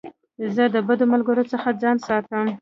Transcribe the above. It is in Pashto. زه د بدو ملګرو څخه ځان ساتم.